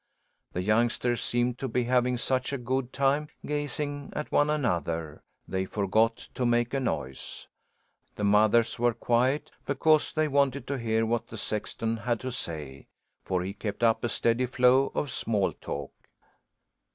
The youngsters seemed to be having such a good time gazing at one another they forgot to make a noise. The mothers were quiet because they wanted to hear what the sexton had to say; for he kept up a steady flow of small talk.